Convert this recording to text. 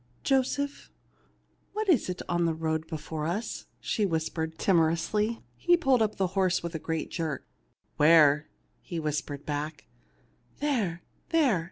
" Joseph, what is that in the road before us ??; she whispered, timorously. He pulled up the horse with a great jerk. " Where ?" he whispered back, " There ! there